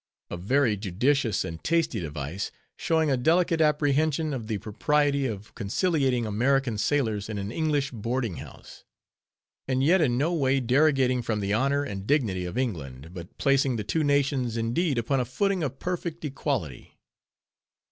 —A very judicious and tasty device, showing a delicate apprehension of the propriety of conciliating American sailors in an English boarding house; and yet in no way derogating from the honor and dignity of England, but placing the two nations, indeed, upon a footing of perfect equality.